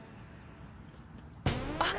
あっ。